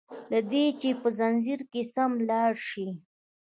له دي چي په ځنځير کي سم لاړ شي